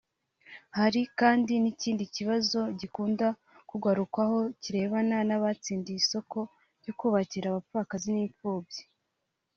Hari kandi n’ikindi kibazo gikunda kugarukwaho kirebana n’abatsindiye isoko ryo kubakira abapfakazi n’imfubyi